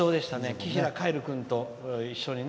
紀平凱成君と一緒にね。